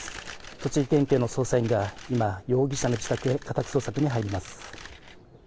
栃木県警の捜査員が容疑者の自宅へ家宅捜索に入ります。